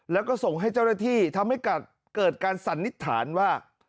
แล้วก็ส่งให้เจ้าหน้าที่ทำให้เกิดการสันนิษฐานว่า